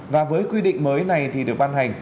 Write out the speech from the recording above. và với quy định mới này thì được ban hành